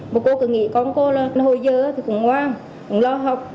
một cô cứ nghĩ con cô là hồi giờ thì cũng ngoan cũng lo học